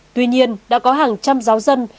tuy nhiên đã có hàng trăm giáo dân